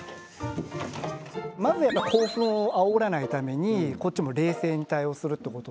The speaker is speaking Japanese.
まず興奮をあおらないためにこっちも冷静に対応するってこと。